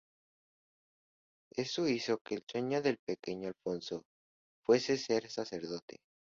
Eso hizo que el sueño del pequeño Alfonso fuese ser sacerdote.